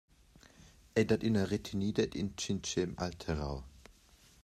Ei dat ina retenida ed in tschintschem alterau.